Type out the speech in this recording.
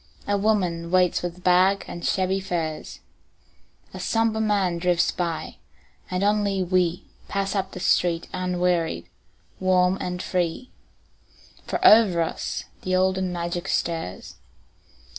A woman waits with bag and shabby furs, A somber man drifts by, and only we Pass up the street unwearied, warm and free, For over us the olden magic stirs.